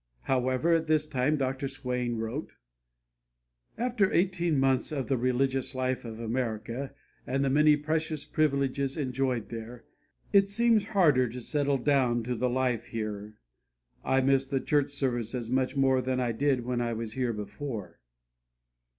However, at this time Dr. Swain wrote: "After eighteen months of the religious life of America and the many precious privileges enjoyed there, it seems harder to settle down to the life here. I miss the church services much more than I did when I was here before."